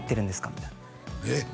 みたいなえっ